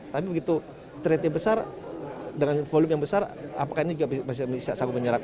tapi begitu tradenya besar dengan volume yang besar apakah ini masih bisa menyerah